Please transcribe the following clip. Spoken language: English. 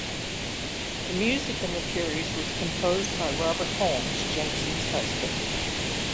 The music in the series was composed by Robert Holmes, Jensen's husband.